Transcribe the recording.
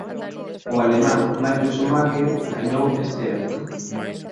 O alemán Michael Schumacher gañou este evento.